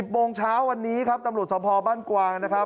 ๑๐โมงเช้าวันนี้ครับตำรวจสภาพบ้านกวาง